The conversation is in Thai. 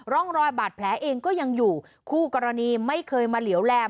ร่องรอยบาดแผลเองก็ยังอยู่คู่กรณีไม่เคยมาเหลวแลม